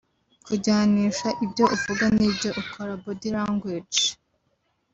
Kujyanisha ibyo uvuga n’ibyo ukora (Body Language)